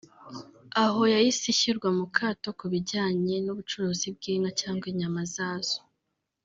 aho yahise ishyirwa mu kato ku bijyanye n’ubucuruzi bw’inka cyangwa inyama zazo